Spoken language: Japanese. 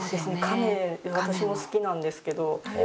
亀私も好きなんですけど。